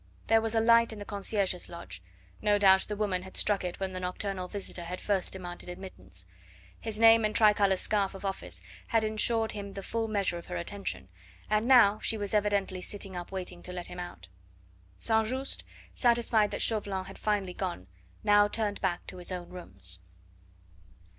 There was a light in the concierge's lodge. No doubt the woman had struck it when the nocturnal visitor had first demanded admittance. His name and tricolour scarf of office had ensured him the full measure of her attention, and now she was evidently sitting up waiting to let him out. St. Just, satisfied that Chauvelin had finally gone, now turned back to his own rooms.